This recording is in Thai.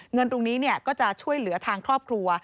เงินตรงนี้ก็จะช่วยเหลือทางครอบครัว